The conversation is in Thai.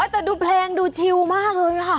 แต่ดูเพลงดูชิวมากเลยค่ะ